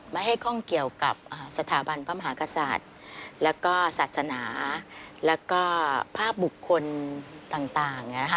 ไม่ให้ข้องเกี่ยวกับสถาบันพระมหากษัตริย์แล้วก็ศาสนาแล้วก็ภาพบุคคลต่าง